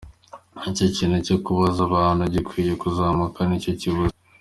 Icyo kintu cyo kubaza abantu gikwiye kuzamuka, ni cyo kibuze.